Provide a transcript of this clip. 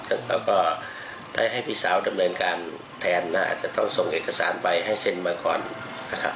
แล้วก็ได้ให้พี่สาวดำเนินการแทนอาจจะต้องส่งเอกสารไปให้เซ็นมาก่อนนะครับ